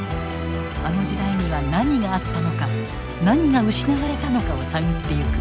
あの時代には何があったのか何が失われたのかを探ってゆく。